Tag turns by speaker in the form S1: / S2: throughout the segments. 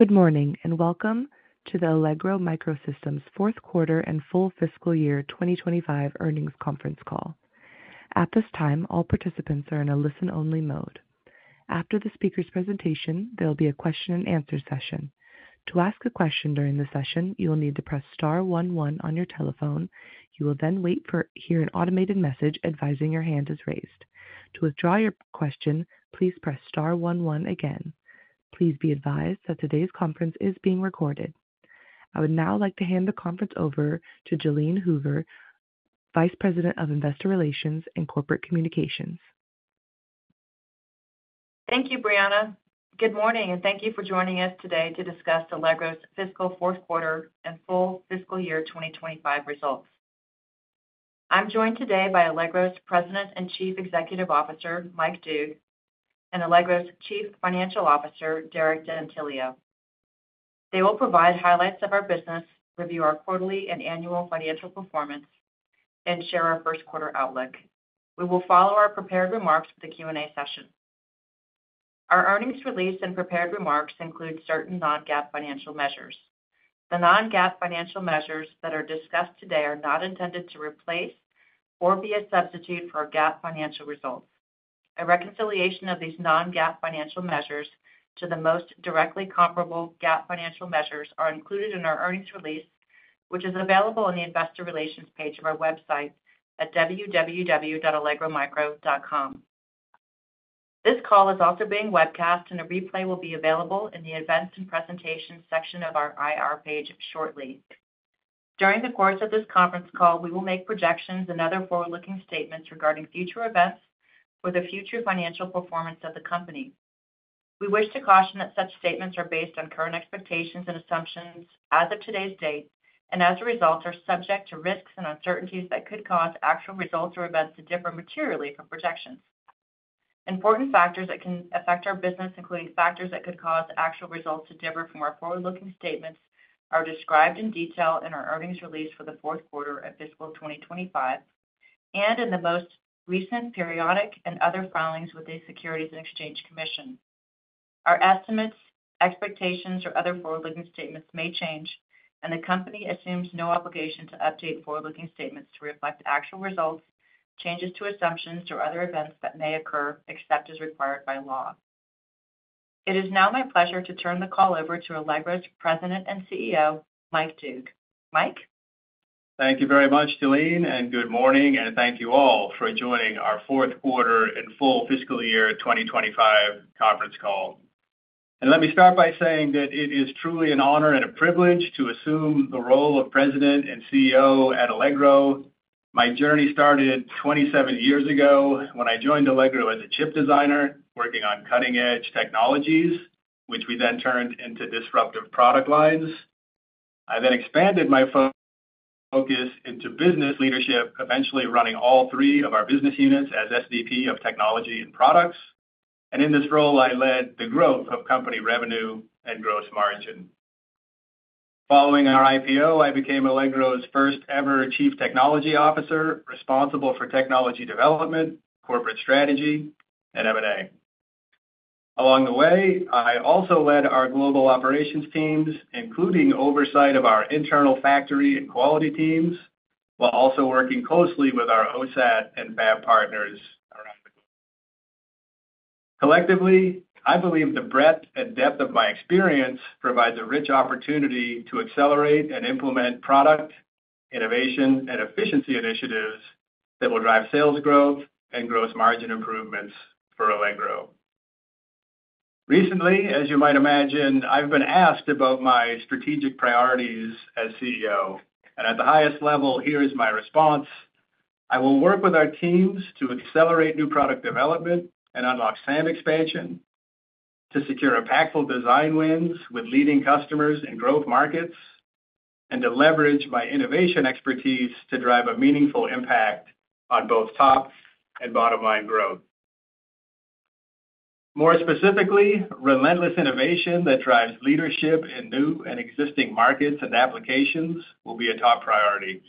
S1: Good morning and welcome to the Allegro MicroSystems fourth quarter and full fiscal year 2025 earnings conference call. At this time, all participants are in a listen-only mode. After the speaker's presentation, there will be a question-and-answer session. To ask a question during the session, you will need to press star one one on your telephone. You will then wait for hearing an automated message advising your hand is raised. To withdraw your question, please press star one one again. Please be advised that today's conference is being recorded. I would now like to hand the conference over to Jalene Hoover, Vice President of Investor Relations and Corporate Communications.
S2: Thank you, Brianna. Good morning and thank you for joining us today to discuss Allegro's fiscal fourth quarter and full fiscal year 2025 results. I'm joined today by Allegro's President and Chief Executive Officer, Mike Doogue, and Allegro's Chief Financial Officer, Derek D'Antilio. They will provide highlights of our business, review our quarterly and annual financial performance, and share our first quarter outlook. We will follow our prepared remarks with a Q&A session. Our earnings release and prepared remarks include certain non-GAAP financial measures. The non-GAAP financial measures that are discussed today are not intended to replace or be a substitute for our GAAP financial results. A reconciliation of these non-GAAP financial measures to the most directly comparable GAAP financial measures is included in our earnings release, which is available on the Investor Relations page of our website at www.allegromicro.com. This call is also being webcast, and a replay will be available in the events and presentations section of our IR page shortly. During the course of this conference call, we will make projections and other forward-looking statements regarding future events for the future financial performance of the company. We wish to caution that such statements are based on current expectations and assumptions as of today's date, and as a result, are subject to risks and uncertainties that could cause actual results or events to differ materially from projections. Important factors that can affect our business, including factors that could cause actual results to differ from our forward-looking statements, are described in detail in our earnings release for the fourth quarter of fiscal 2025 and in the most recent periodic and other filings with the Securities and Exchange Commission. Our estimates, expectations, or other forward-looking statements may change, and the company assumes no obligation to update forward-looking statements to reflect actual results, changes to assumptions, or other events that may occur except as required by law. It is now my pleasure to turn the call over to Allegro's President and CEO, Mike Doogue. Mike.
S3: Thank you very much, Jalene, and good morning, and thank you all for joining our fourth quarter and full fiscal year 2025 conference call. Let me start by saying that it is truly an honor and a privilege to assume the role of President and CEO at Allegro. My journey started 27 years ago when I joined Allegro as a chip designer working on cutting-edge technologies, which we then turned into disruptive product lines. I then expanded my focus into business leadership, eventually running all three of our business units as SVP of Technology and Products. In this role, I led the growth of company revenue and gross margin. Following our IPO, I became Allegro's first-ever Chief Technology Officer responsible for technology development, corporate strategy, and M&A. Along the way, I also led our global operations teams, including oversight of our internal factory and quality teams, while also working closely with our OSAT and Fab partners around the globe. Collectively, I believe the breadth and depth of my experience provides a rich opportunity to accelerate and implement product innovation and efficiency initiatives that will drive sales growth and gross margin improvements for Allegro. Recently, as you might imagine, I've been asked about my strategic priorities as CEO. At the highest level, here is my response. I will work with our teams to accelerate new product development and unlock SAM expansion, to secure impactful design wins with leading customers in growth markets, and to leverage my innovation expertise to drive a meaningful impact on both top and bottom-line growth. More specifically, relentless innovation that drives leadership in new and existing markets and applications will be a top priority.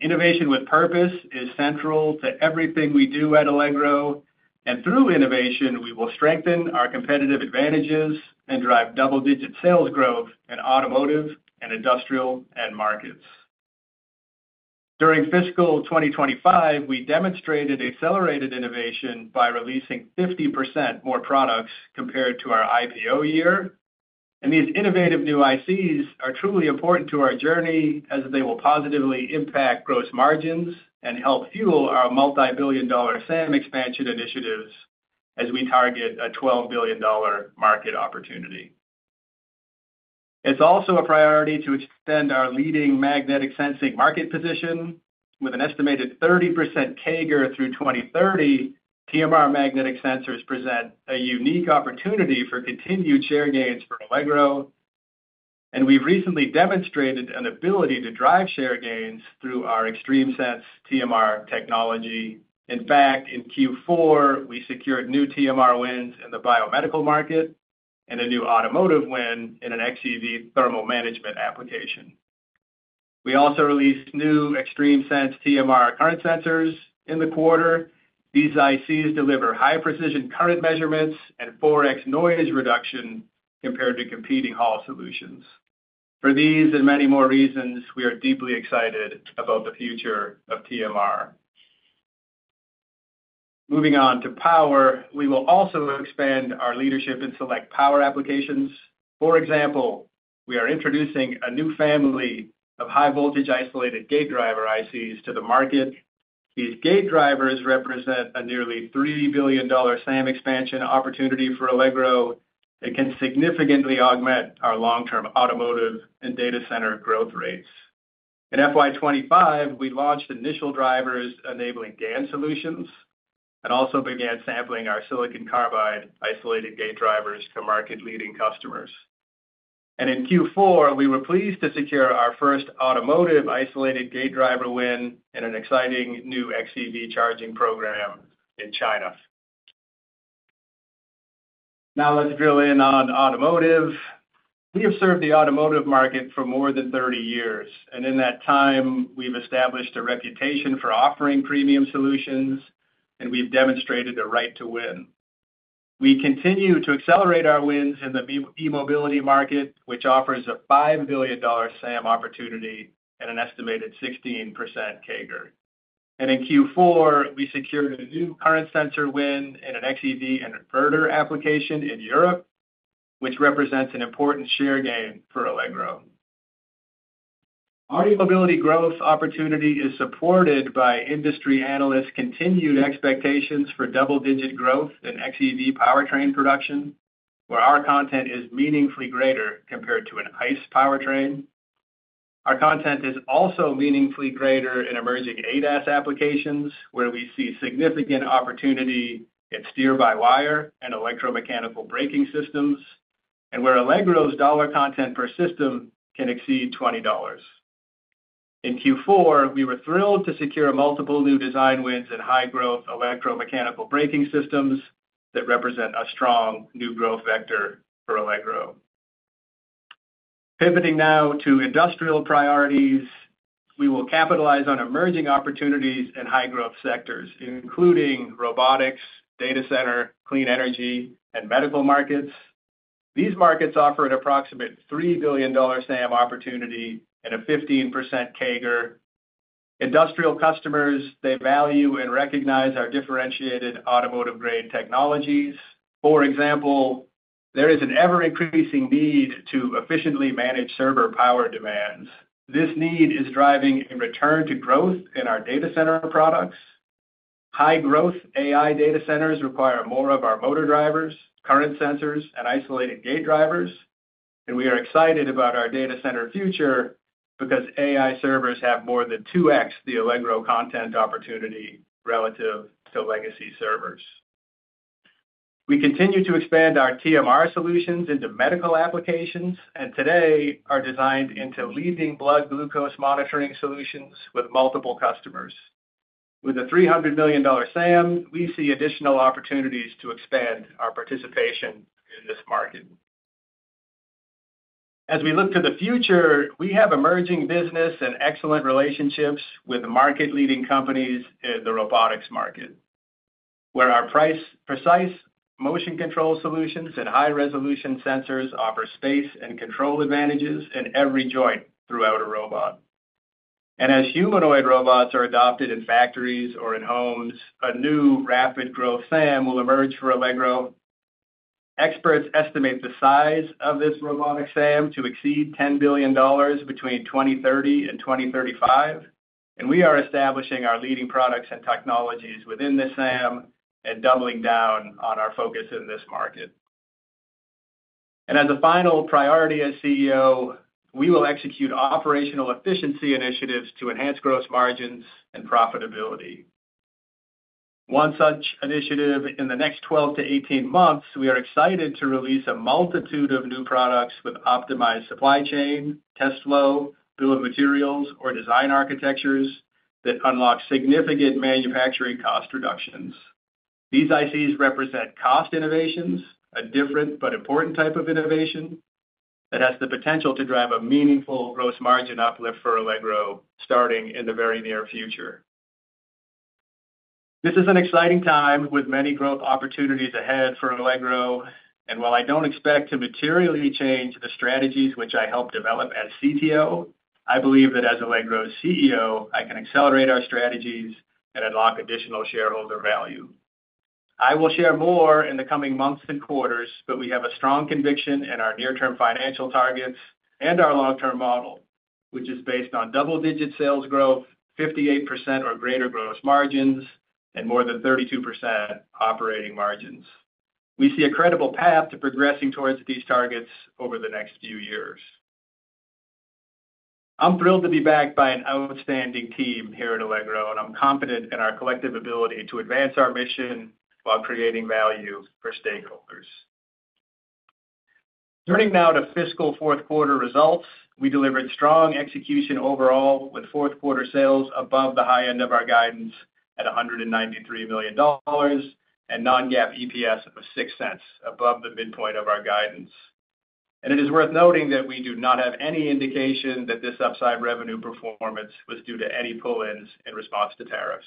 S3: Innovation with purpose is central to everything we do at Allegro. Through innovation, we will strengthen our competitive advantages and drive double-digit sales growth in automotive and industrial markets. During fiscal 2025, we demonstrated accelerated innovation by releasing 50% more products compared to our IPO year. These innovative new ICs are truly important to our journey as they will positively impact gross margins and help fuel our multi-billion dollar SAM expansion initiatives as we target a $12 billion market opportunity. It is also a priority to extend our leading magnetic sensing market position. With an estimated 30% CAGR through 2030, TMR magnetic sensors present a unique opportunity for continued share gains for Allegro. We have recently demonstrated an ability to drive share gains through our ExtremeSense TMR technology. In fact, in Q4, we secured new TMR wins in the biomedical market and a new automotive win in an XEV thermal management application. We also released new ExtremeSense TMR current sensors in the quarter. These ICs deliver high-precision current measurements and 4x noise reduction compared to competing Hall solutions. For these and many more reasons, we are deeply excited about the future of TMR. Moving on to power, we will also expand our leadership in select power applications. For example, we are introducing a new family of high-voltage isolated gate driver ICs to the market. These gate drivers represent a nearly $3 billion SAM expansion opportunity for Allegro and can significantly augment our long-term automotive and data center growth rates. In FY2025, we launched initial drivers enabling GaN solutions and also began sampling our silicon carbide isolated gate drivers to market-leading customers. In Q4, we were pleased to secure our first automotive isolated gate driver win in an exciting new XEV charging program in China. Now let's drill in on automotive. We have served the automotive market for more than 30 years. In that time, we've established a reputation for offering premium solutions, and we've demonstrated a right to win. We continue to accelerate our wins in the e-mobility market, which offers a $5 billion SAM opportunity and an estimated 16% CAGR. In Q4, we secured a new current sensor win in an XEV inverter application in Europe, which represents an important share gain for Allegro. Our e-mobility growth opportunity is supported by industry analysts' continued expectations for double-digit growth in XEV powertrain production, where our content is meaningfully greater compared to an ICE powertrain. Our content is also meaningfully greater in emerging ADAS applications, where we see significant opportunity in steer-by-wire and electromechanical braking systems, and where Allegro's dollar content per system can exceed $20. In Q4, we were thrilled to secure multiple new design wins in high-growth electromechanical braking systems that represent a strong new growth vector for Allegro. Pivoting now to industrial priorities, we will capitalize on emerging opportunities in high-growth sectors, including robotics, data center, clean energy, and medical markets. These markets offer an approximate $3 billion SAM opportunity and a 15% CAGR. Industrial customers, they value and recognize our differentiated automotive-grade technologies. For example, there is an ever-increasing need to efficiently manage server power demands. This need is driving a return to growth in our data center products. High-growth AI data centers require more of our motor drivers, current sensors, and isolated gate drivers. We are excited about our data center future because AI servers have more than 2x the Allegro content opportunity relative to legacy servers. We continue to expand our TMR solutions into medical applications and today are designed into leading blood glucose monitoring solutions with multiple customers. With a $300 million SAM, we see additional opportunities to expand our participation in this market. As we look to the future, we have emerging business and excellent relationships with market-leading companies in the robotics market, where our precise motion control solutions and high-resolution sensors offer space and control advantages in every joint throughout a robot. As humanoid robots are adopted in factories or in homes, a new rapid-growth SAM will emerge for Allegro. Experts estimate the size of this robotic SAM to exceed $10 billion between 2030 and 2035. We are establishing our leading products and technologies within this SAM and doubling down on our focus in this market. As a final priority as CEO, we will execute operational efficiency initiatives to enhance gross margins and profitability. One such initiative in the next 12-18 months, we are excited to release a multitude of new products with optimized supply chain, test flow, bill of materials, or design architectures that unlock significant manufacturing cost reductions. These ICs represent cost innovations, a different but important type of innovation that has the potential to drive a meaningful gross margin uplift for Allegro starting in the very near future. This is an exciting time with many growth opportunities ahead for Allegro. While I don't expect to materially change the strategies which I helped develop as CTO, I believe that as Allegro's CEO, I can accelerate our strategies and unlock additional shareholder value. I will share more in the coming months and quarters, but we have a strong conviction in our near-term financial targets and our long-term model, which is based on double-digit sales growth, 58% or greater gross margins, and more than 32% operating margins. We see a credible path to progressing towards these targets over the next few years. I'm thrilled to be backed by an outstanding team here at Allegro, and I'm confident in our collective ability to advance our mission while creating value for stakeholders. Turning now to fiscal fourth quarter results, we delivered strong execution overall with fourth quarter sales above the high end of our guidance at $193 million and non-GAAP EPS of 6 cents above the midpoint of our guidance. It is worth noting that we do not have any indication that this upside revenue performance was due to any pull-ins in response to tariffs.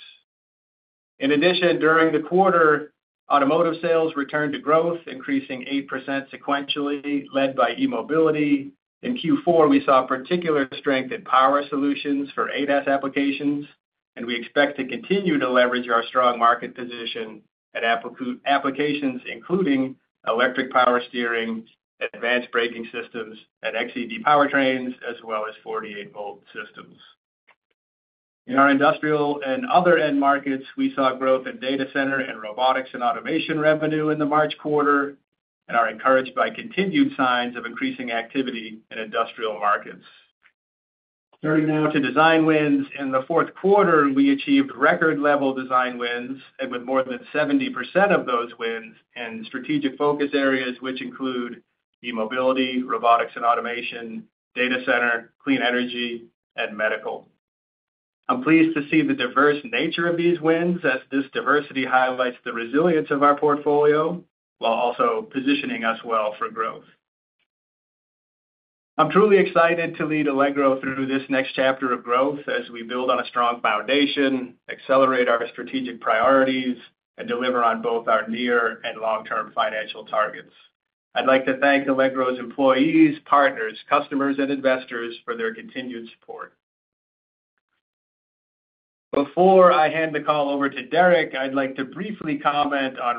S3: In addition, during the quarter, automotive sales returned to growth, increasing 8% sequentially, led by e-mobility. In Q4, we saw particular strength in power solutions for ADAS applications, and we expect to continue to leverage our strong market position at applications including electric power steering, advanced braking systems, and XEV powertrains, as well as 48-volt systems. In our industrial and other end markets, we saw growth in data center and robotics and automation revenue in the March quarter and are encouraged by continued signs of increasing activity in industrial markets. Turning now to design wins in the fourth quarter, we achieved record-level design wins with more than 70% of those wins in strategic focus areas, which include e-mobility, robotics and automation, data center, clean energy, and medical. I'm pleased to see the diverse nature of these wins as this diversity highlights the resilience of our portfolio while also positioning us well for growth. I'm truly excited to lead Allegro through this next chapter of growth as we build on a strong foundation, accelerate our strategic priorities, and deliver on both our near and long-term financial targets. I'd like to thank Allegro's employees, partners, customers, and investors for their continued support. Before I hand the call over to Derek, I'd like to briefly comment on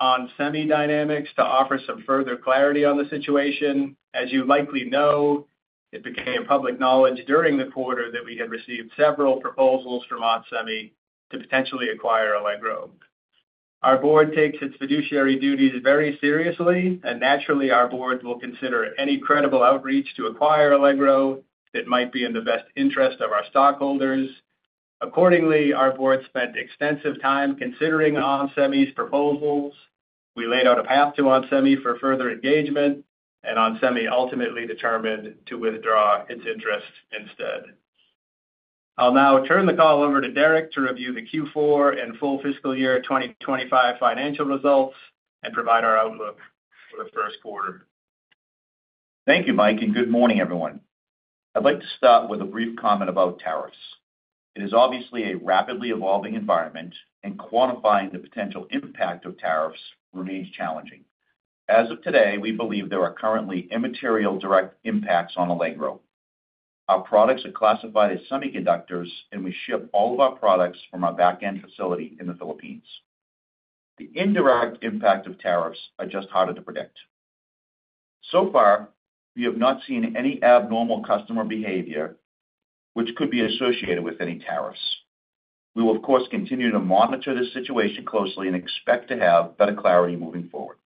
S3: onsemi to offer some further clarity on the situation. As you likely know, it became public knowledge during the quarter that we had received several proposals from onsemi to potentially acquire Allegro. Our board takes its fiduciary duties very seriously, and naturally, our board will consider any credible outreach to acquire Allegro that might be in the best interest of our stockholders. Accordingly, our board spent extensive time considering onsemi's proposals. We laid out a path to onsemi for further engagement, and onsemi ultimately determined to withdraw its interest instead. I'll now turn the call over to Derek to review the Q4 and full fiscal year 2025 financial results and provide our outlook for the first quarter.
S4: Thank you, Mike, and good morning, everyone. I'd like to start with a brief comment about tariffs. It is obviously a rapidly evolving environment, and quantifying the potential impact of tariffs remains challenging. As of today, we believe there are currently immaterial direct impacts on Allegro. Our products are classified as semiconductors, and we ship all of our products from our back-end facility in the Philippines. The indirect impact of tariffs is just harder to predict. So far, we have not seen any abnormal customer behavior, which could be associated with any tariffs. We will, of course, continue to monitor the situation closely and expect to have better clarity moving forward.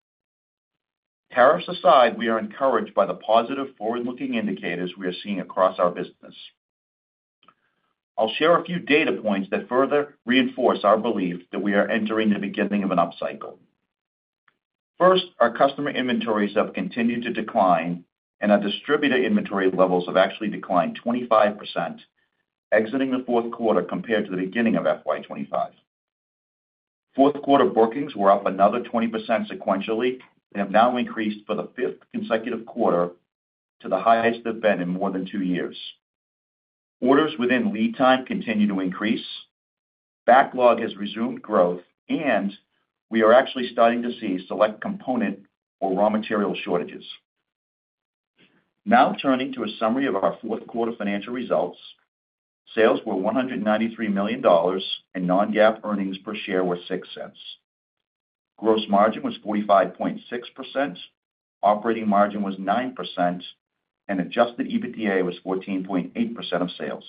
S4: Tariffs aside, we are encouraged by the positive forward-looking indicators we are seeing across our business. I'll share a few data points that further reinforce our belief that we are entering the beginning of an upcycle. First, our customer inventories have continued to decline, and our distributor inventory levels have actually declined 25%, exiting the fourth quarter compared to the beginning of FY2025. Fourth quarter bookings were up another 20% sequentially and have now increased for the fifth consecutive quarter to the highest they have been in more than two years. Orders within lead time continue to increase. Backlog has resumed growth, and we are actually starting to see select component or raw material shortages. Now turning to a summary of our fourth quarter financial results, sales were $193 million, and non-GAAP earnings per share were $0.06. Gross margin was 45.6%, operating margin was 9%, and Adjusted EBITDA was 14.8% of sales.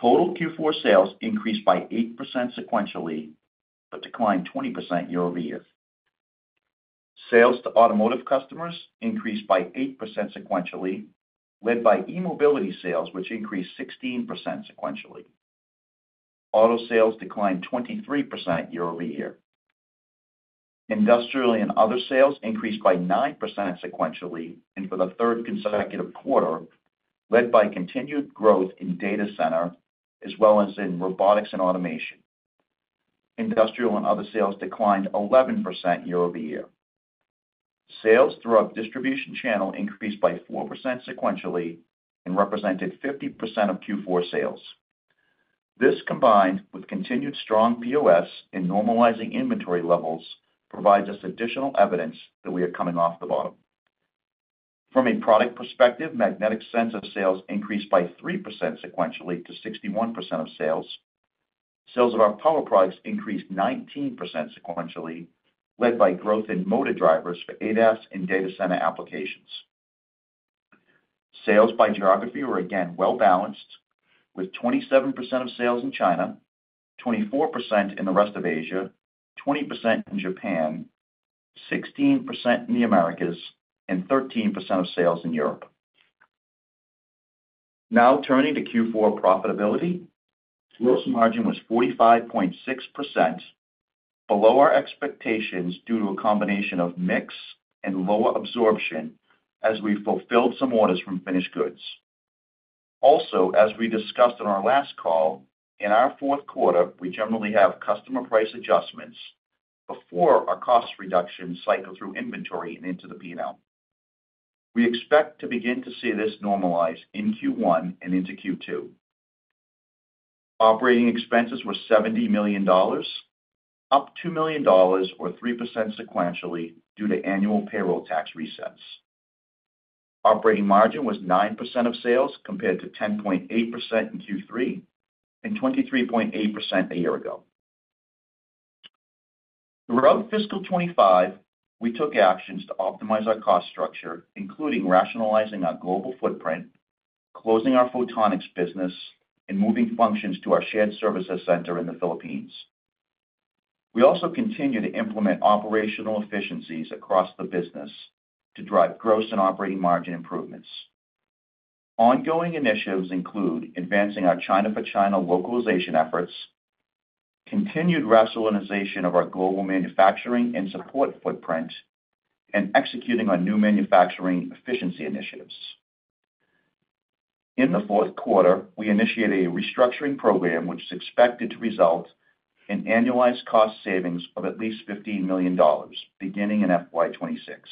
S4: Total Q4 sales increased by 8% sequentially but declined 20% year-over-year. Sales to automotive customers increased by 8% sequentially, led by e-mobility sales, which increased 16% sequentially. Auto sales declined 23% year-over-year. Industrial and other sales increased by 9% sequentially and for the third consecutive quarter, led by continued growth in data center as well as in robotics and automation. Industrial and other sales declined 11% year-over-year. Sales throughout distribution channel increased by 4% sequentially and represented 50% of Q4 sales. This, combined with continued strong POS and normalizing inventory levels, provides us additional evidence that we are coming off the bottom. From a product perspective, magnetic sensor sales increased by 3% sequentially to 61% of sales. Sales of our power products increased 19% sequentially, led by growth in motor drivers for ADAS and data center applications. Sales by geography were again well-balanced, with 27% of sales in China, 24% in the rest of Asia, 20% in Japan, 16% in the Americas, and 13% of sales in Europe. Now turning to Q4 profitability, gross margin was 45.6%, below our expectations due to a combination of mix and lower absorption as we fulfilled some orders from finished goods. Also, as we discussed in our last call, in our fourth quarter, we generally have customer price adjustments before our cost reduction cycle through inventory and into the P&L. We expect to begin to see this normalize in Q1 and into Q2. Operating expenses were $70 million, up $2 million or 3% sequentially due to annual payroll tax resets. Operating margin was 9% of sales compared to 10.8% in Q3 and 23.8% a year ago. Throughout fiscal 2025, we took actions to optimize our cost structure, including rationalizing our global footprint, closing our photonics business, and moving functions to our shared services center in the Philippines. We also continue to implement operational efficiencies across the business to drive gross and operating margin improvements. Ongoing initiatives include advancing our China-for-China localization efforts, continued rationalization of our global manufacturing and support footprint, and executing our new manufacturing efficiency initiatives. In the fourth quarter, we initiated a restructuring program, which is expected to result in annualized cost savings of at least $15 million beginning in fiscal year 2026.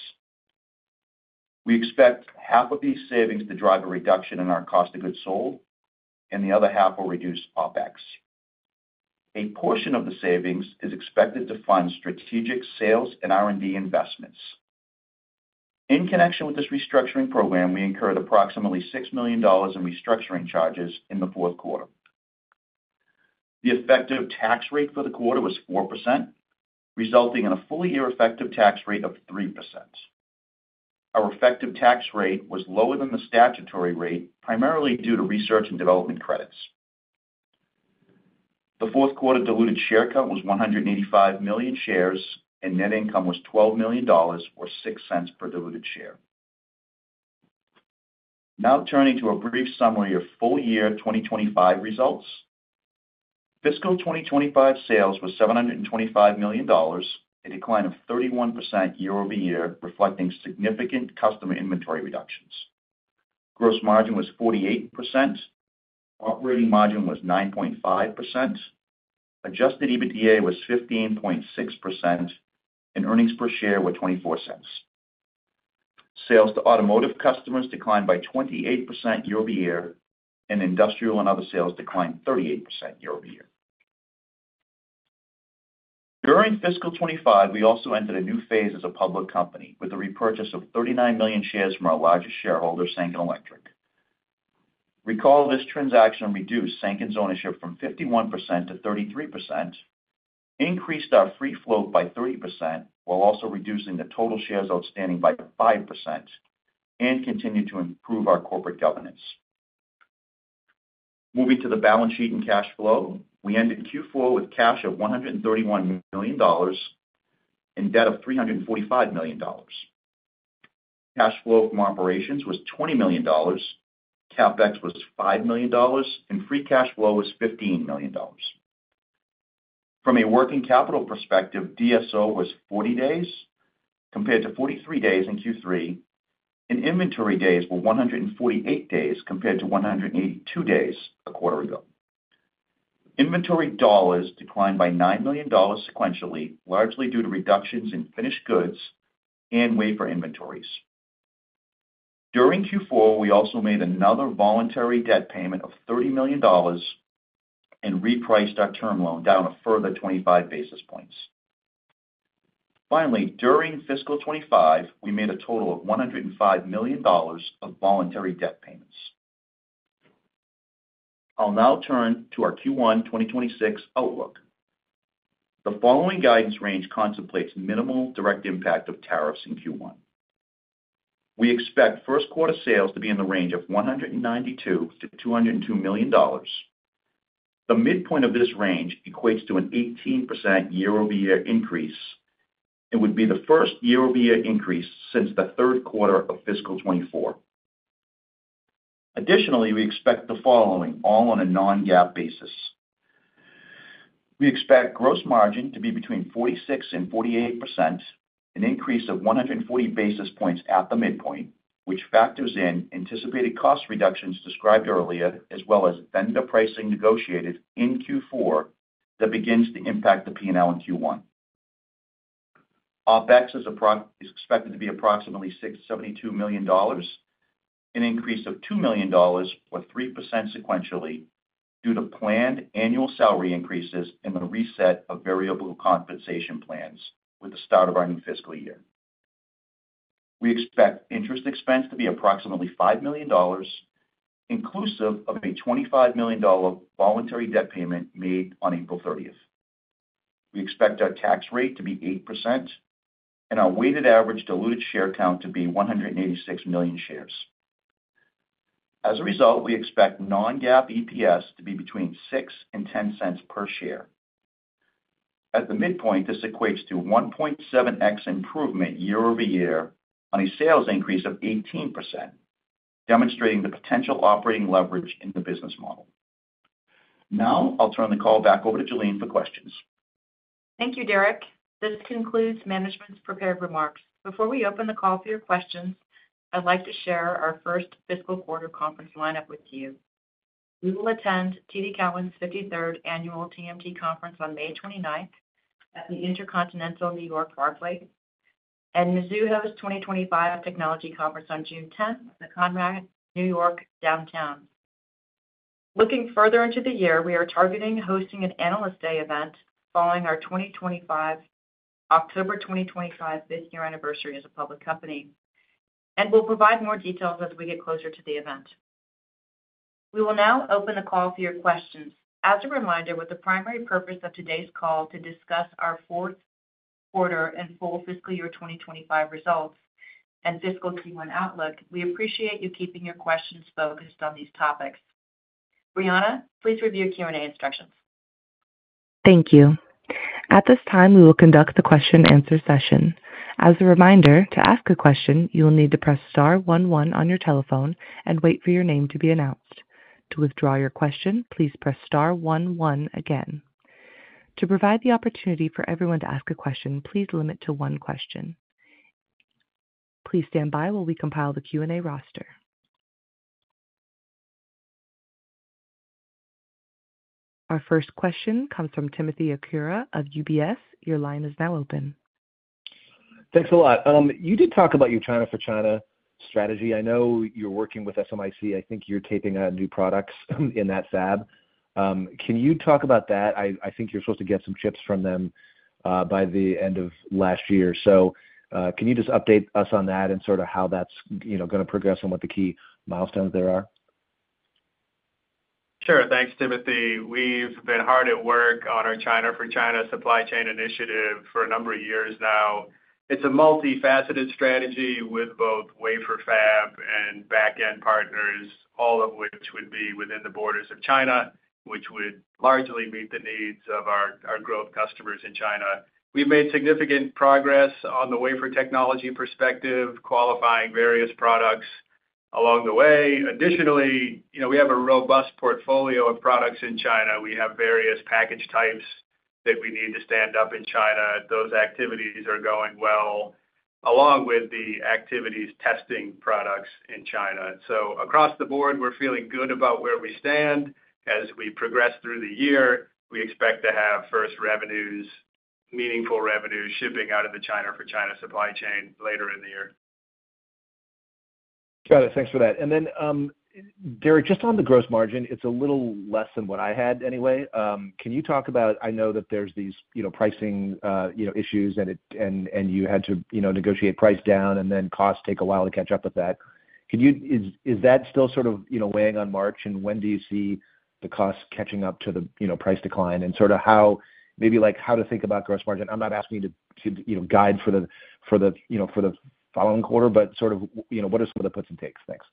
S4: We expect half of these savings to drive a reduction in our cost of goods sold, and the other half will reduce OPEX. A portion of the savings is expected to fund strategic sales and R&D investments. In connection with this restructuring program, we incurred approximately $6 million in restructuring charges in the fourth quarter. The effective tax rate for the quarter was 4%, resulting in a fully effective tax rate of 3%. Our effective tax rate was lower than the statutory rate, primarily due to research and development credits. The fourth quarter diluted share count was 185 million shares, and net income was $12 million or $0.06 per diluted share. Now turning to a brief summary of full year 2025 results. Fiscal 2025 sales were $725 million, a decline of 31% year-over-year, reflecting significant customer inventory reductions. Gross margin was 48%. Operating margin was 9.5%. Adjusted EBITDA was 15.6%, and earnings per share were $0.24. Sales to automotive customers declined by 28% year-over-year, and industrial and other sales declined 38% year-over-year. During fiscal 2025, we also entered a new phase as a public company with a repurchase of 39 million shares from our largest shareholder, Sanken Electric. Recall this transaction reduced Sanken's ownership from 51%-33%, increased our free float by 30% while also reducing the total shares outstanding by 5%, and continued to improve our corporate governance. Moving to the balance sheet and cash flow, we ended Q4 with cash of $131 million and debt of $345 million. Cash flow from operations was $20 million, CapEx was $5 million, and free cash flow was $15 million. From a working capital perspective, DSO was 40 days compared to 43 days in Q3, and inventory days were 148 days compared to 182 days a quarter ago. Inventory dollars declined by $9 million sequentially, largely due to reductions in finished goods and wafer inventories. During Q4, we also made another voluntary debt payment of $30 million and repriced our term loan down a further 25 basis points. Finally, during fiscal 2025, we made a total of $105 million of voluntary debt payments. I'll now turn to our Q1 2026 outlook. The following guidance range contemplates minimal direct impact of tariffs in Q1. We expect first quarter sales to be in the range of $192 million-$202 million. The midpoint of this range equates to an 18% year-over-year increase and would be the first year-over-year increase since the third quarter of fiscal 2024. Additionally, we expect the following all on a non-GAAP basis. We expect gross margin to be between 46%-48%, an increase of 140 basis points at the midpoint, which factors in anticipated cost reductions described earlier, as well as vendor pricing negotiated in Q4 that begins to impact the P&L in Q1. OPEX is expected to be approximately $72 million, an increase of $2 million or 3% sequentially due to planned annual salary increases and the reset of variable compensation plans with the start of our new fiscal year. We expect interest expense to be approximately $5 million, inclusive of a $25 million voluntary debt payment made on April 30th. We expect our tax rate to be 8% and our weighted average diluted share count to be 186 million shares. As a result, we expect non-GAAP EPS to be between $0.06 and $0.10 per share. At the midpoint, this equates to 1.7x improvement year-over-year on a sales increase of 18%, demonstrating the potential operating leverage in the business model. Now I'll turn the call back over to Jalene for questions.
S2: Thank you, Derek. This concludes management's prepared remarks. Before we open the call for your questions, I'd like to share our first fiscal quarter conference lineup with you. We will attend TD Cowen's 53rd annual TMT conference on May 29th at the Intercontinental New York Barclay and Mizuho's 2025 Technology Conference on June 10th at the Conrad New York Downtown. Looking further into the year, we are targeting hosting an Analyst Day event following our October 2025 fifth year anniversary as a public company, and we'll provide more details as we get closer to the event. We will now open the call for your questions. As a reminder, with the primary purpose of today's call to discuss our fourth quarter and full fiscal year 2025 results and fiscal Q1 outlook, we appreciate you keeping your questions focused on these topics. Brianna, please review Q&A instructions.
S1: Thank you. At this time, we will conduct the question-and-answer session. As a reminder, to ask a question, you will need to press star one one on your telephone and wait for your name to be announced. To withdraw your question, please press star one one again. To provide the opportunity for everyone to ask a question, please limit to one question. Please stand by while we compile the Q&A roster. Our first question comes from Timothy Arcuri of UBS. Your line is now open.
S5: Thanks a lot. You did talk about your China-for-China strategy. I know you're working with SMIC. I think you're taping on new products in that fab. Can you talk about that? I think you're supposed to get some chips from them by the end of last year. Can you just update us on that and sort of how that's going to progress and what the key milestones there are?
S3: Sure. Thanks, Timothy. We've been hard at work on our China-for-China supply chain initiative for a number of years now. It's a multifaceted strategy with both wafer fab and back-end partners, all of which would be within the borders of China, which would largely meet the needs of our growth customers in China. We've made significant progress on the wafer technology perspective, qualifying various products along the way. Additionally, we have a robust portfolio of products in China. We have various package types that we need to stand up in China. Those activities are going well, along with the activities testing products in China. Across the board, we're feeling good about where we stand. As we progress through the year, we expect to have first revenues, meaningful revenues, shipping out of the China-for-China supply chain later in the year.
S5: Got it. Thanks for that. Derek, just on the gross margin, it's a little less than what I had anyway. Can you talk about, I know that there's these pricing issues and you had to negotiate price down and then costs take a while to catch up with that. Is that still sort of weighing on March? And when do you see the costs catching up to the price decline and sort of how maybe how to think about gross margin? I'm not asking you to guide for the following quarter, but sort of what are some of the puts and takes? Thanks.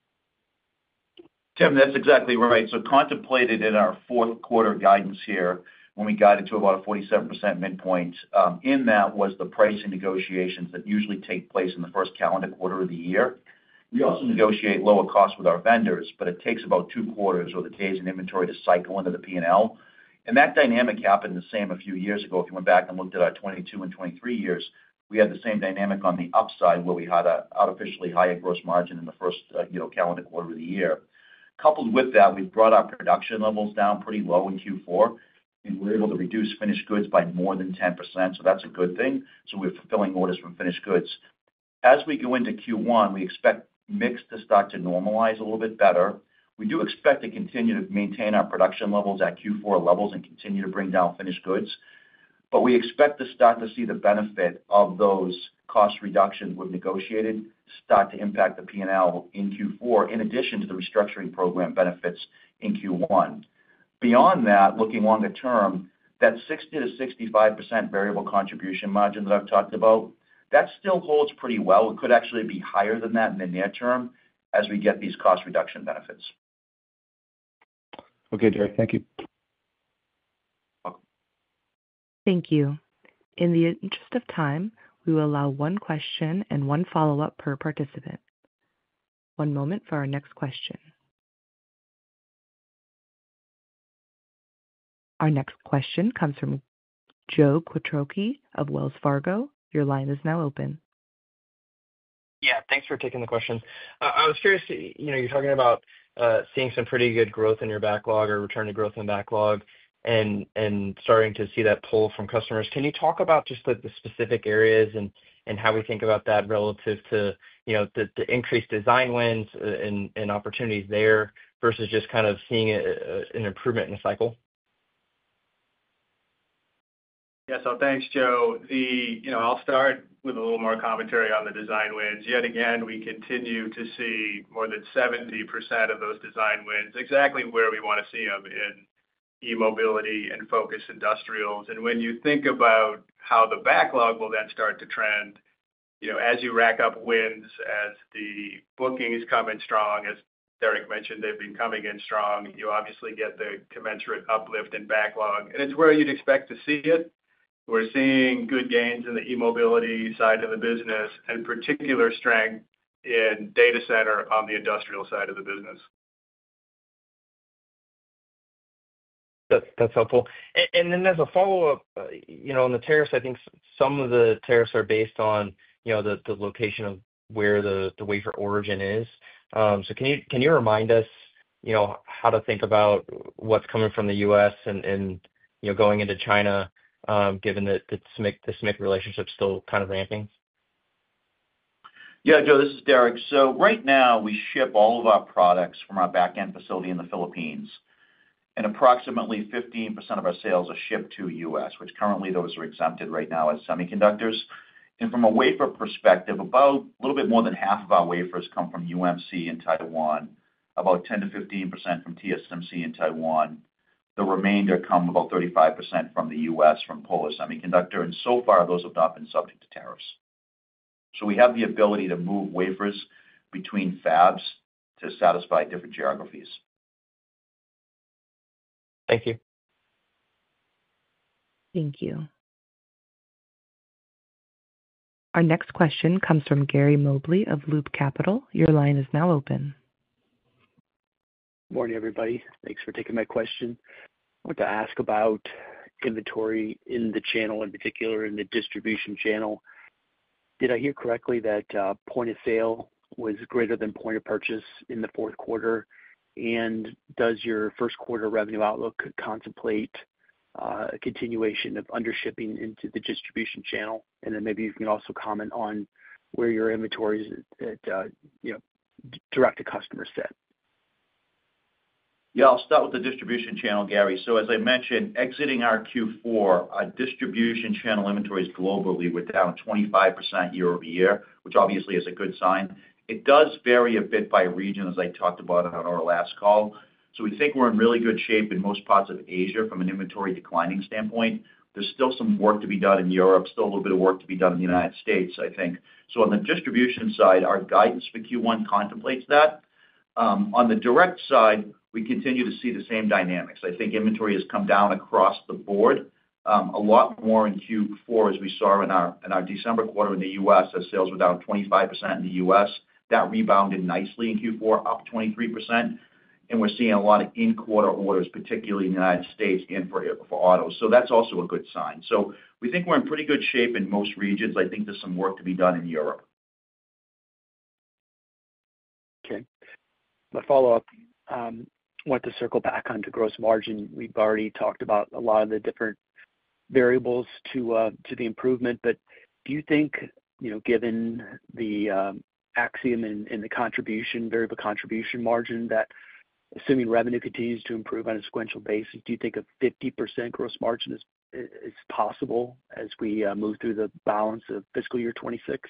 S4: Tim, that's exactly right. Contemplated in our fourth quarter guidance here, when we guided to about a 47% midpoint, in that was the pricing negotiations that usually take place in the first calendar quarter of the year. We also negotiate lower costs with our vendors, but it takes about two quarters or the days in inventory to cycle into the P&L. That dynamic happened the same a few years ago. If you went back and looked at our 2022 and 2023 years, we had the same dynamic on the upside where we had an artificially higher gross margin in the first calendar quarter of the year. Coupled with that, we have brought our production levels down pretty low in Q4, and we are able to reduce finished goods by more than 10%. That is a good thing. We are fulfilling orders from finished goods. As we go into Q1, we expect mix to start to normalize a little bit better. We do expect to continue to maintain our production levels at Q4 levels and continue to bring down finished goods. We expect the stock to see the benefit of those cost reductions we have negotiated start to impact the P&L in Q4, in addition to the restructuring program benefits in Q1. Beyond that, looking longer term, that 60%-65% variable contribution margin that I have talked about, that still holds pretty well. It could actually be higher than that in the near term as we get these cost reduction benefits.
S5: Okay, Derek. Thank you. Thank you.
S1: Thank you. In the interest of time, we will allow one question and one follow-up per participant. One moment for our next question. Our next question comes from Joe Quatrochi of Wells Fargo. Your line is now open.
S6: Yeah. Thanks for taking the question. I was curious, you are talking about seeing some pretty good growth in your backlog or return to growth in the backlog and starting to see that pull from customers. Can you talk about just the specific areas and how we think about that relative to the increased design wins and opportunities there versus just kind of seeing an improvement in the cycle?
S3: Yeah. Thanks, Joe. I'll start with a little more commentary on the design wins. Yet again, we continue to see more than 70% of those design wins exactly where we want to see them in e-mobility and focus industrials. When you think about how the backlog will then start to trend as you rack up wins, as the bookings come in strong, as Derek mentioned, they've been coming in strong, you obviously get the commensurate uplift in backlog. It's where you'd expect to see it. We're seeing good gains in the e-mobility side of the business and particular strength in data center on the industrial side of the business.
S6: That's helpful. Then as a follow-up on the tariffs, I think some of the tariffs are based on the location of where the wafer origin is. Can you remind us how to think about what's coming from the U.S. and going into China, given that the SMIC relationship is still kind of ramping?
S4: Yeah, Joe, this is Derek. Right now, we ship all of our products from our back-end facility in the Philippines. Approximately 15% of our sales are shipped to the U.S., which currently those are exempted right now as semiconductors. From a wafer perspective, a little bit more than half of our wafers come from UMC in Taiwan, about 10%-15% from TSMC in Taiwan. The remainder, about 35%, come from the U.S. from Polar Semiconductor. So far, those have not been subject to tariffs. We have the ability to move wafers between fabs to satisfy different geographies.
S1: Thank you. Our next question comes from Gary Mobley of Loop Capital. Your line is now open.
S7: Good morning, everybody. Thanks for taking my question. I want to ask about inventory in the channel, in particular in the distribution channel. Did I hear correctly that point of sale was greater than point of purchase in the fourth quarter? Does your first quarter revenue outlook contemplate a continuation of undershipping into the distribution channel? Maybe you can also comment on where your inventory is at direct-to-customer set.
S4: Yeah. I'll start with the distribution channel, Gary. As I mentioned, exiting our Q4, our distribution channel inventories globally were down 25% year-over-year, which obviously is a good sign. It does vary a bit by region, as I talked about on our last call. We think we're in really good shape in most parts of Asia from an inventory declining standpoint. There's still some work to be done in Europe, still a little bit of work to be done in the United States, I think. On the distribution side, our guidance for Q1 contemplates that. On the direct side, we continue to see the same dynamics. I think inventory has come down across the board a lot more in Q4, as we saw in our December quarter in the U.S., as sales were down 25% in the U.S. That rebounded nicely in Q4, up 23%. We're seeing a lot of in-quarter orders, particularly in the United States and for auto. That's also a good sign. We think we're in pretty good shape in most regions. I think there's some work to be done in Europe.
S7: Okay. My follow-up, I want to circle back onto gross margin. We've already talked about a lot of the different variables to the improvement. Do you think, given the Axiom and the variable contribution margin, that assuming revenue continues to improve on a sequential basis, a 50% gross margin is possible as we move through the balance of fiscal year 2026?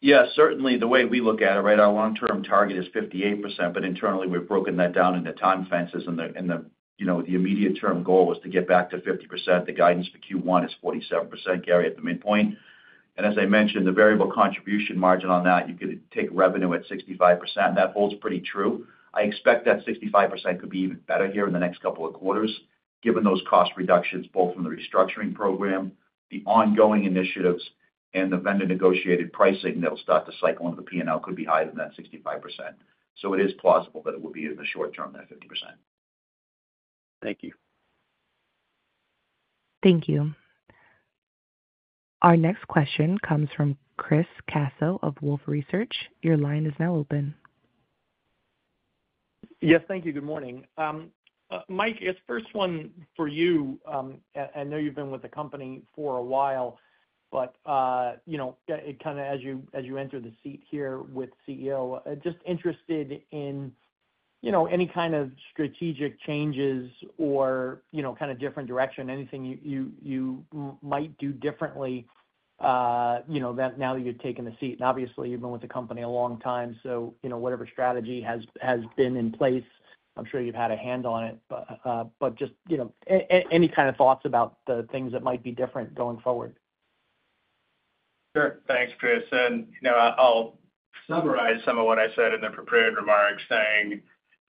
S4: Yeah, certainly. The way we look at it, our long-term target is 58%, but internally, we've broken that down into time fences. The immediate-term goal is to get back to 50%. The guidance for Q1 is 47%, Gary, at the midpoint. As I mentioned, the variable contribution margin on that, you could take revenue at 65%. That holds pretty true. I expect that 65% could be even better here in the next couple of quarters, given those cost reductions, both from the restructuring program, the ongoing initiatives, and the vendor-negotiated pricing that will start to cycle into the P&L, could be higher than that 65%. It is plausible that it will be in the short term, that 50%.
S7: Thank you.
S1: Thank you. Our next question comes from Chris Caso of Wolfe Research. Your line is now open.
S8: Yes, thank you. Good morning. Mike, first one for you. I know you've been with the company for a while, but kind of as you enter the seat here with CEO, just interested in any kind of strategic changes or kind of different direction, anything you might do differently now that you've taken the seat. Obviously, you've been with the company a long time. Whatever strategy has been in place, I'm sure you've had a hand on it. Just any kind of thoughts about the things that might be different going forward?
S3: Sure. Thanks, Chris. I'll summarize some of what I said in the prepared remarks, saying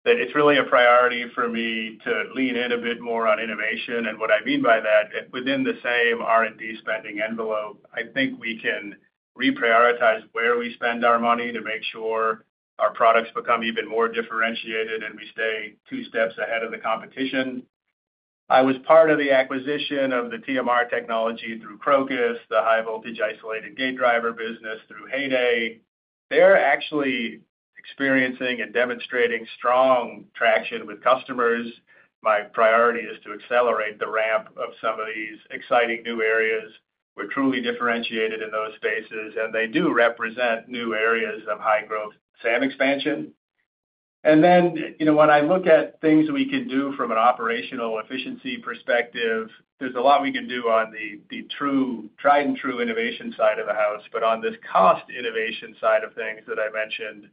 S3: that it's really a priority for me to lean in a bit more on innovation. What I mean by that, within the same R&D spending envelope, I think we can reprioritize where we spend our money to make sure our products become even more differentiated and we stay two steps ahead of the competition. I was part of the acquisition of the TMR technology through Krokus, the high-voltage isolated gate driver business through Hay Day. They're actually experiencing and demonstrating strong traction with customers. My priority is to accelerate the ramp of some of these exciting new areas. We're truly differentiated in those spaces, and they do represent new areas of high-growth SAM expansion. When I look at things we can do from an operational efficiency perspective, there's a lot we can do on the tried-and-true innovation side of the house. On this cost innovation side of things that I mentioned,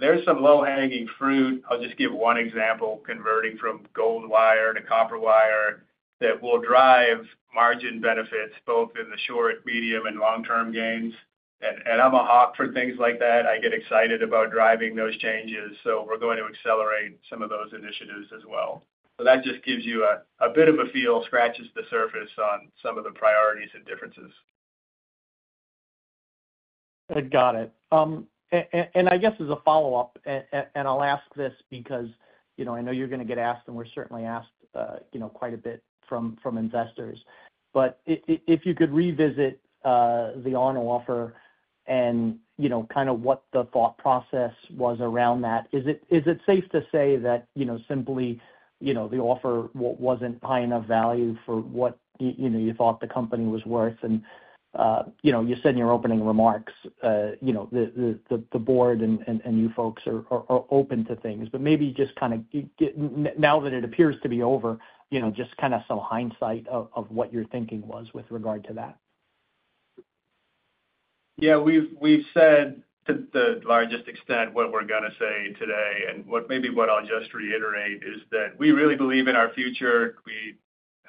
S3: there's some low-hanging fruit. I'll just give one example, converting from gold wire to copper wire, that will drive margin benefits both in the short, medium, and long-term gains. I'm a hawk for things like that. I get excited about driving those changes. We're going to accelerate some of those initiatives as well. That just gives you a bit of a feel, scratches the surface on some of the priorities and differences.
S8: Got it. I guess as a follow-up, and I'll ask this because I know you're going to get asked, and we're certainly asked quite a bit from investors. If you could revisit the on-offer and kind of what the thought process was around that, is it safe to say that simply the offer was not high enough value for what you thought the company was worth? You said in your opening remarks that the board and you folks are open to things. Maybe just kind of now that it appears to be over, just kind of some hindsight of what your thinking was with regard to that.
S3: Yeah. We've said to the largest extent what we're going to say today. Maybe what I'll just reiterate is that we really believe in our future. We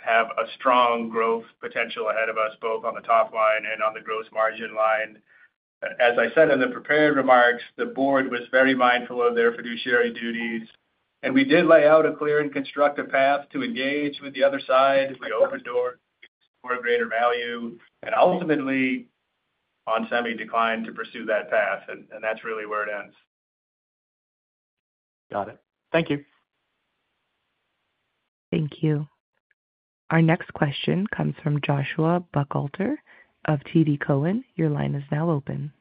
S3: have a strong growth potential ahead of us, both on the top line and on the gross margin line. As I said in the prepared remarks, the board was very mindful of their fiduciary duties. We did lay out a clear and constructive path to engage with the other side. We opened doors for greater value. Ultimately, onsemi declined to pursue that path. That is really where it ends.
S8: Got it. Thank you.
S1: Thank you. Our next question comes from Joshua Buchalter of TD Cowen. Your line is now open.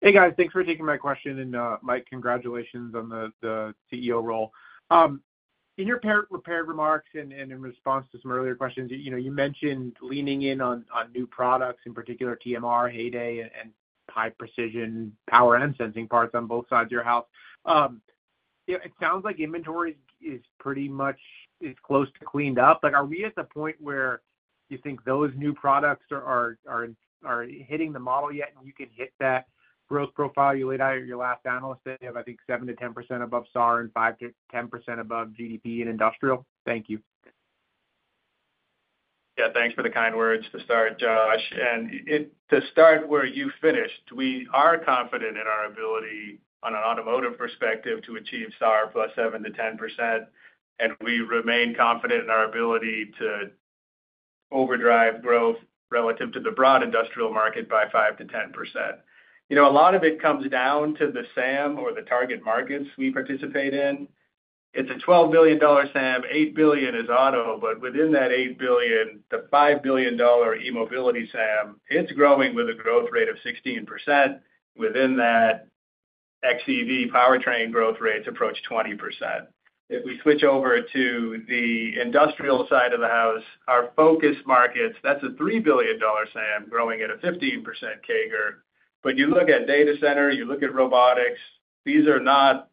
S9: Hey, guys. Thanks for taking my question. Mike, congratulations on the CEO role. In your prepared remarks and in response to some earlier questions, you mentioned leaning in on new products, in particular TMR, Hay Day, and high-precision power and sensing parts on both sides of your house.It sounds like inventory is pretty much close to cleaned up. Are we at the point where you think those new products are hitting the model yet and you can hit that growth profile? You laid out your last analyst statement of, I think, 7%-10% above SAR and 5%-10% above GDP and industrial. Thank you.
S3: Yeah. Thanks for the kind words to start, Josh. And to start where you finished, we are confident in our ability on an automotive perspective to achieve SAR+ 7%-10%. We remain confident in our ability to overdrive growth relative to the broad industrial market by 5%-10%. A lot of it comes down to the SAM or the target markets we participate in. It's a $12 billion SAM. 8 billion is auto. Within that $8 billion, the $5 billion e-mobility SAM is growing with a growth rate of 16%. Within that, XEV powertrain growth rates approach 20%. If we switch over to the industrial side of the house, our focus markets, that is a $3 billion SAM growing at a 15% CAGR. You look at data center, you look at robotics, these are not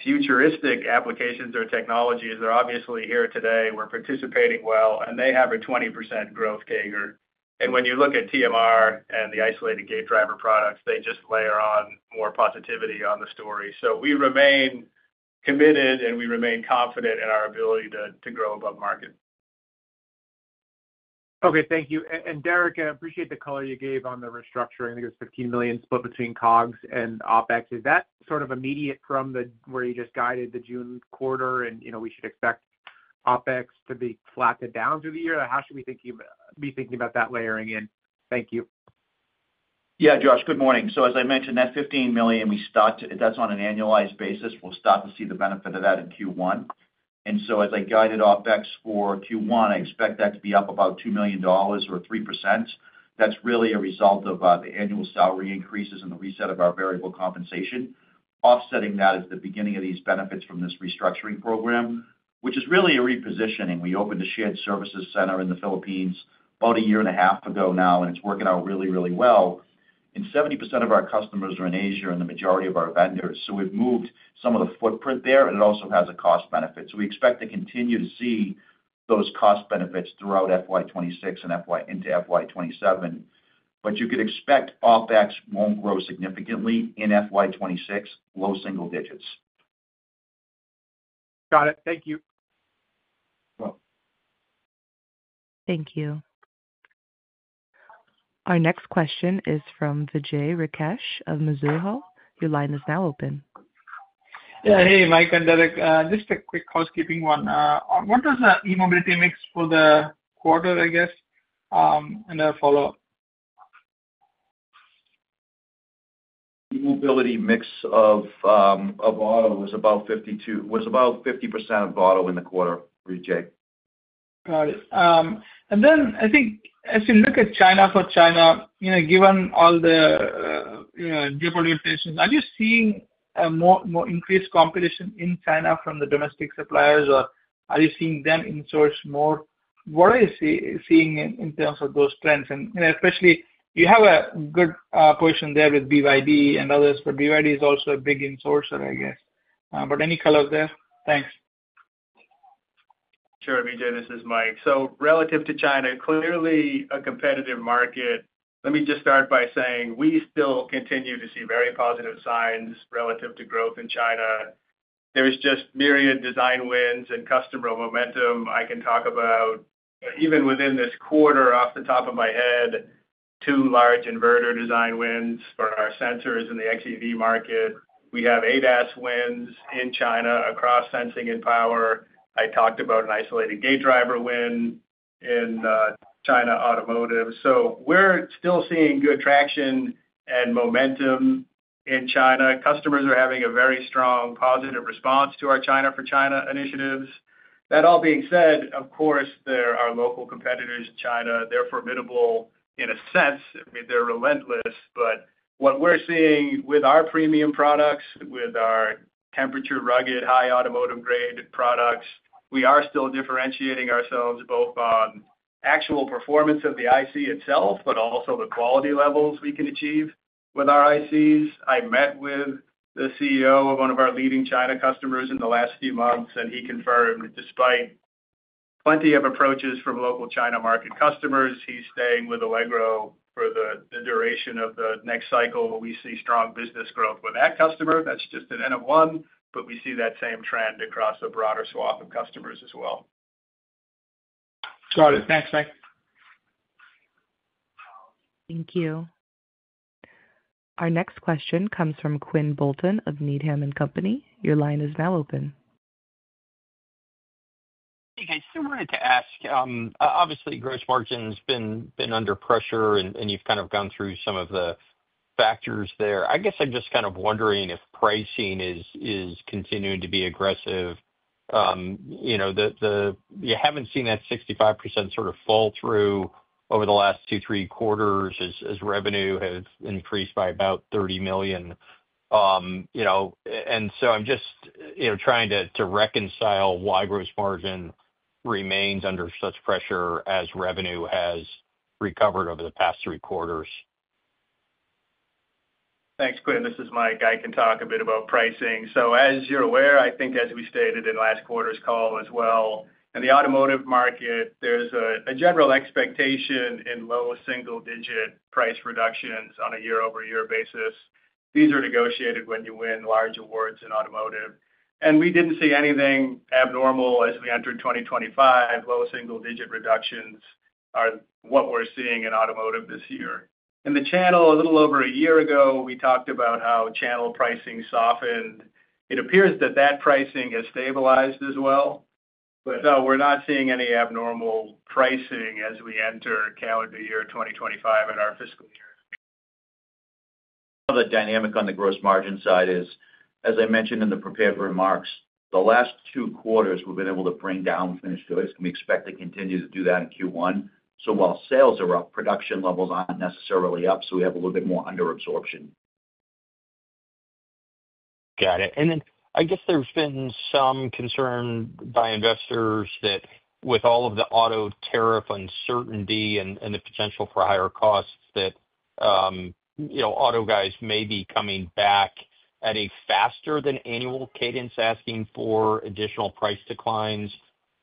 S3: futuristic applications or technologies. They are obviously here today. We are participating well, and they have a 20% growth CAGR. When you look at TMR and the isolated gate driver products, they just layer on more positivity on the story. We remain committed, and we remain confident in our ability to grow above market.
S9: Okay. Thank you. And Derek, I appreciate the color you gave on the restructuring. I think it was $15 million split between COGS and OPEX. Is that sort of immediate from where you just guided the June quarter and we should expect OPEX to be flat and down through the year? How should we be thinking about that layering in? Thank you.
S4: Yeah, Josh, good morning. As I mentioned, that $15 million, that's on an annualized basis. We'll start to see the benefit of that in Q1. As I guided OPEX for Q1, I expect that to be up about $2 million or 3%. That's really a result of the annual salary increases and the reset of our variable compensation. Offsetting that is the beginning of these benefits from this restructuring program, which is really a repositioning. We opened a shared services center in the Philippines about a year and a half ago now, and it's working out really, really well. Seventy percent of our customers are in Asia and the majority of our vendors. We have moved some of the footprint there, and it also has a cost benefit. We expect to continue to see those cost benefits throughout FY2026 and into FY2027. You could expect OPEX will not grow significantly in FY2026, low single digits.
S9: Got it. Thank you.
S1: Thank you. Our next question is from Vijay Rakesh of Mizuho. Your line is now open.
S10: Yeah. Hey, Mike and Derek. Just a quick housekeeping one. What was the e-mobility mix for the quarter, I guess, and a follow-up?
S4: E-mobility mix of auto was about 50% of auto in the quarter, Vijay.
S10: Got it. I think, as you look at China-for-China, given all the geopolitical tensions, are you seeing more increased competition in China from the domestic suppliers, or are you seeing them insource more? What are you seeing in terms of those trends? Especially, you have a good position there with BYD and others, but BYD is also a big insourcer, I guess. Any color there? Thanks.
S3: Sure. Vijay, this is Mike. Relative to China, clearly a competitive market. Let me just start by saying we still continue to see very positive signs relative to growth in China. There is just myriad design wins and customer momentum I can talk about. Even within this quarter, off the top of my head, two large inverter design wins for our sensors in the XEV market. We have ADAS wins in China across sensing and power. I talked about an isolated gate driver win in China automotive. We are still seeing good traction and momentum in China. Customers are having a very strong positive response to our China-for-China initiatives. That all being said, of course, there are local competitors in China. They're formidable in a sense. I mean, they're relentless. What we're seeing with our premium products, with our temperature-rugged, high automotive-grade products, we are still differentiating ourselves both on actual performance of the IC itself, but also the quality levels we can achieve with our ICs. I met with the CEO of one of our leading China customers in the last few months, and he confirmed, despite plenty of approaches from local China market customers, he's staying with Allegro for the duration of the next cycle. We see strong business growth with that customer. That's just an N of one, but we see that same trend across a broader swath of customers as well.
S10: Got it. Thanks, Mike.
S1: Thank you. Our next question comes from Quinn Bolton of Needham & Company. Your line is now open.
S11: Hey, guys. I just wanted to ask, obviously, gross margin has been under pressure, and you've kind of gone through some of the factors there. I guess I'm just kind of wondering if pricing is continuing to be aggressive. You haven't seen that 65% sort of fall through over the last two, three quarters as revenue has increased by about $30 million. I'm just trying to reconcile why gross margin remains under such pressure as revenue has recovered over the past three quarters.
S3: Thanks, Quinn. This is Mike. I can talk a bit about pricing. As you're aware, I think, as we stated in last quarter's call as well, in the automotive market, there's a general expectation in low single-digit price reductions on a year-over-year basis. These are negotiated when you win large awards in automotive. We didn't see anything abnormal as we entered 2025. Low single-digit reductions are what we're seeing in automotive this year. In the channel, a little over a year ago, we talked about how channel pricing softened. It appears that that pricing has stabilized as well. No, we're not seeing any abnormal pricing as we enter calendar year 2025 and our fiscal year.
S4: The dynamic on the gross margin side is, as I mentioned in the prepared remarks, the last two quarters we've been able to bring down finished goods. We expect to continue to do that in Q1. While sales are up, production levels aren't necessarily up, so we have a little bit more under absorption.
S11: Got it. I guess there's been some concern by investors that with all of the auto tariff uncertainty and the potential for higher costs, that auto guys may be coming back at a faster-than-annual cadence asking for additional price declines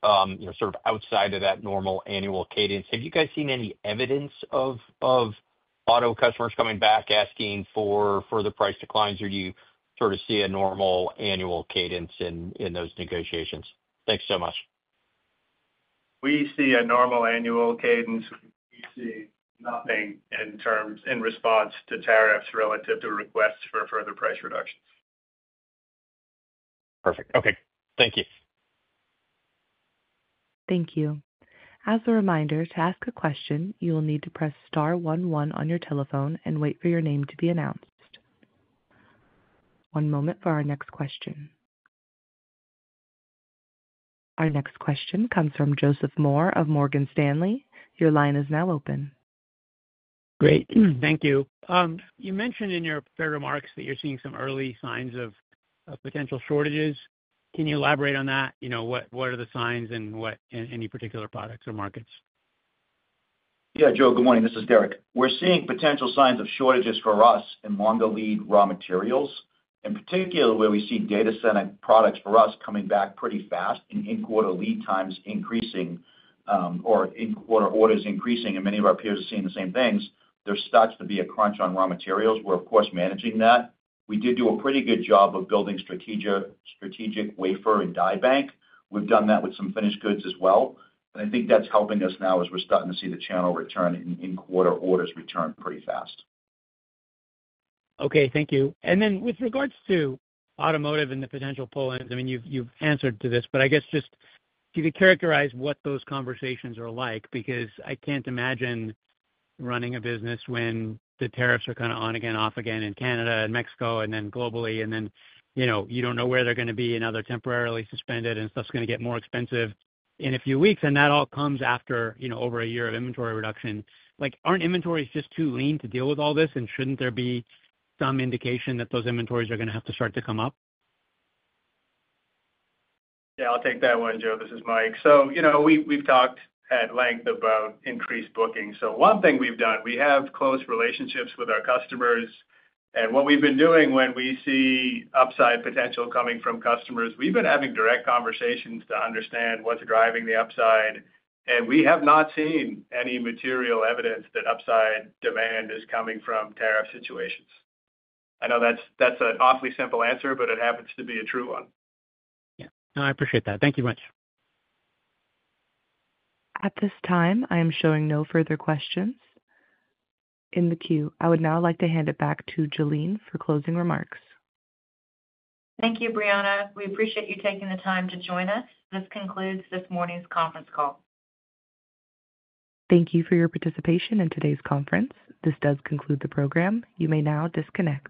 S11: sort of outside of that normal annual cadence. Have you guys seen any evidence of auto customers coming back asking for further price declines, or do you sort of see a normal annual cadence in those negotiations? Thanks so much.
S3: We see a normal annual cadence. We see nothing in response to tariffs relative to requests for further price reductions.
S11: Perfect. Okay. Thank you.
S1: Thank you. As a reminder, to ask a question, you will need to press star one one on your telephone and wait for your name to be announced. One moment for our next question. Our next question comes from Joseph Moore of Morgan Stanley. Your line is now open.
S12: Great. Thank you. You mentioned in your prepared remarks that you're seeing some early signs of potential shortages. Can you elaborate on that? What are the signs in any particular products or markets?
S4: Yeah. Joe, good morning. This is Derek. We're seeing potential signs of shortages for us in longer lead raw materials, in particular where we see data center products for us coming back pretty fast and in quarter lead times increasing or in quarter orders increasing. Many of our peers are seeing the same things. There starts to be a crunch on raw materials. We're, of course, managing that. We did do a pretty good job of building strategic wafer and die bank. We've done that with some finished goods as well.I think that's helping us now as we're starting to see the channel return in quarter orders return pretty fast.
S12: Okay. Thank you. With regards to automotive and the potential pull-ins, I mean, you've answered to this, but I guess just if you could characterize what those conversations are like, because I can't imagine running a business when the tariffs are kind of on again, off again in Canada and Mexico and then globally, and then you don't know where they're going to be and how they're temporarily suspended and stuff's going to get more expensive in a few weeks. That all comes after over a year of inventory reduction. Aren't inventories just too lean to deal with all this, and shouldn't there be some indication that those inventories are going to have to start to come up?
S3: Yeah. I'll take that one, Joe. This is Mike. We've talked at length about increased booking. One thing we've done, we have close relationships with our customers. What we've been doing when we see upside potential coming from customers, we've been having direct conversations to understand what's driving the upside. We have not seen any material evidence that upside demand is coming from tariff situations. I know that's an awfully simple answer, but it happens to be a true one.
S12: Yeah. No, I appreciate that. Thank you very much.
S1: At this time, I am showing no further questions in the queue. I would now like to hand it back to Jalene for closing remarks.
S2: Thank you, Brianna. We appreciate you taking the time to join us. This concludes this morning's conference call.
S1: Thank you for your participation in today's conference. This does conclude the program. You may now disconnect.